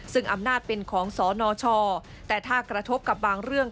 ซึ่งอำนาจเป็นของสนชแต่ถ้ากระทบกับบางเรื่อง